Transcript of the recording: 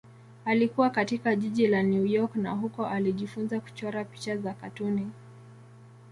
Alikua katika jiji la New York na huko alijifunza kuchora picha za katuni.